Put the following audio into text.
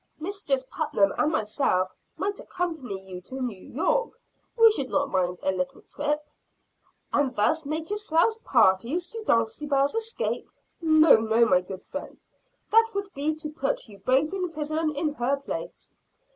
"Mistress Putnam and myself might accompany you to New York we should not mind a little trip." "And thus make yourselves parties to Dulcibel's escape? No, no, my good friend that would be to put you both in prison in her place."